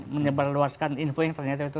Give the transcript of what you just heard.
menyebar luaskan info yang ternyata itu